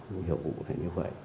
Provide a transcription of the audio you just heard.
không hiểu vụ này như vậy